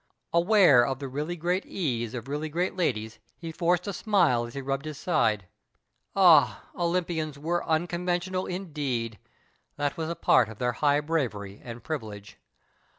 Aware of the really great ease of really great ladies he forced a smile, as he rubbed his side. Ah, Olympians were unconventional indeed — that was a part of their high bravery and privilege.